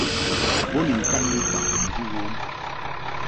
Bo ni ŋkaŋki faʼ nji wom.